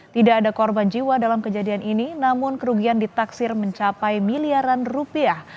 tidak ada korban jiwa dalam kejadian ini namun kerugian ditaksir mencapai miliaran rupiah